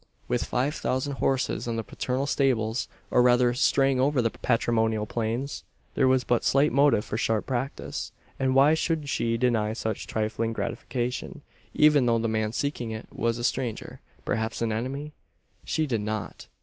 With five thousand horses in the paternal stables, or rather straying over the patrimonial plains, there was but slight motive for sharp practice; and why should she deny such trifling gratification, even though the man seeking it was a stranger perhaps an enemy? She did not.